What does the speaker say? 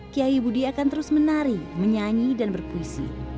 kiai budi akan terus menari menyanyi dan berpuisi